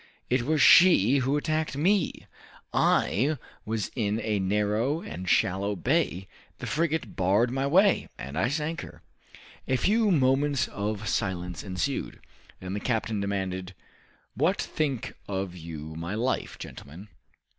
It was she who attacked me I was in a narrow and shallow bay the frigate barred my way and I sank her!" A few moments of silence ensued; then the captain demanded, "What think you of my life, gentlemen?"